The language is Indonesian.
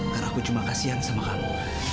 karena aku cuma kasihan sama kamu